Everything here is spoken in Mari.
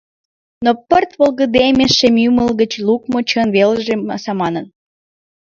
Но пырт волгыдеме шем ӱмыл гыч лукмо Чын велже саманын.